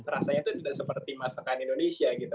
rasanya itu tidak seperti masakan indonesia gitu